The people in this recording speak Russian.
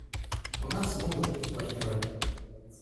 У нас могут быть партнеры.